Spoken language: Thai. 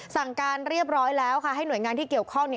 สั่งการเรียบร้อยแล้วค่ะให้หน่วยงานที่เกี่ยวข้อง